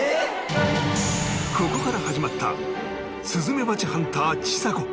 ここから始まったスズメバチハンターちさ子